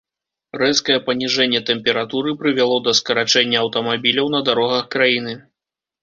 Рэзкае паніжэнне тэмпературы прывяло да скарачэння аўтамабіляў на дарогах краіны.